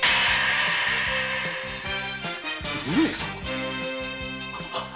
上様！